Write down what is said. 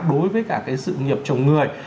đối với cả cái sự nghiệp chồng người